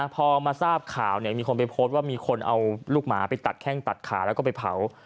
พอมาทราบข่าวมีคนไปโพสต์ว่ามีคนเอาลูกหมาไปตัดแข้งตัดขาแล้วก็ไปเผา